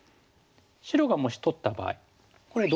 白がもし取った場合これどうですかね。